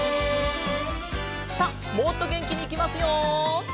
さあもっとげんきにいきますよ！